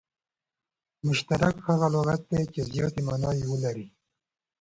مشترک هغه لغت دئ، چي زیاتي ماناوي ولري.